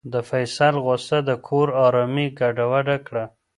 د فیصل غوسه د کور ارامي ګډوډه کړه.